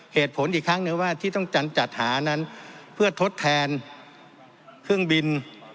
เหตุผลอีกครั้งหนึ่งว่าที่ต้องจัดหานั้นเพื่อทดแทนเครื่องบิน